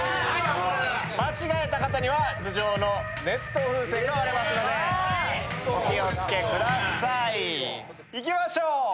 間違えた方には頭上の熱湯風船が割れますのでお気を付けください。いきましょう。